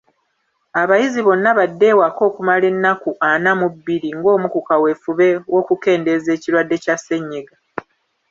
Abayizi bonna badde ewaka okumala ennaku ana mu bbiri ng’omu ku kaweefube w’okukendeeza ekirwadde kya ssennyiga.